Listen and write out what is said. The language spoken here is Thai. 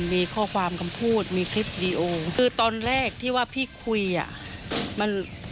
มีข้อความคำพูดมีคลิปวีดีโอคือตอนแรกที่ว่าพี่คุยอ่ะมัน